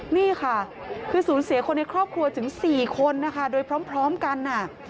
นี่ค่ะคือสูญเสียคนในครอบครัวถึง๔คนนะคะโดยพร้อมกัน